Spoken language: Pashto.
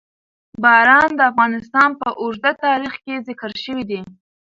باران د افغانستان په اوږده تاریخ کې ذکر شوي دي.